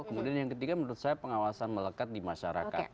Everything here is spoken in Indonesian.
kemudian yang ketiga menurut saya pengawasan melekat di masyarakat